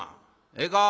ええか？